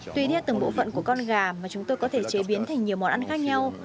tuy thiết từng bộ phận của con gà mà chúng tôi có thể chế biến thành nhiều món ăn khác nhau